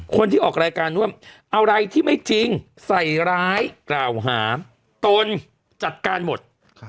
คนที่ออกรายการนวมอะไรที่ไม่จริงใส่ร้ายกล่าวหาตนจัดการหมด